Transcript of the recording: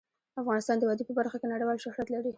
افغانستان د وادي په برخه کې نړیوال شهرت لري.